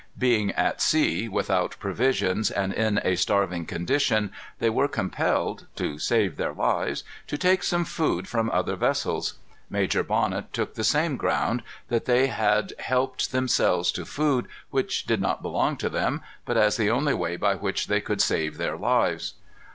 Being at sea, without provisions, and in a starving condition, they were compelled, to save their lives, to take some food from other vessels. Major Bonnet took the same ground that they had helped themselves to food which did not belong to them, but as the only way by which they could save their lives.